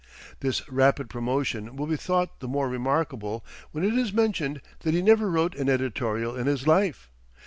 This rapid promotion will be thought the more remarkable when it is mentioned that he never wrote an editorial in his life.